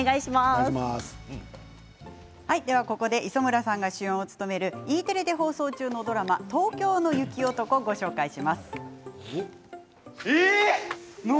ここで磯村さんが主演を務めるＥテレで放送中のドラマ「東京の雪男」をご紹介します。